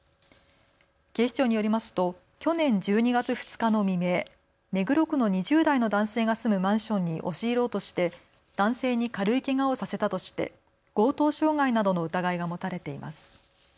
警視庁によりますと去年１２月２日の未明、目黒区の２０代の男性が住むマンションに押し入ろうとして男性に軽いけがをさせたとして強盗傷害などの疑いが持たれています。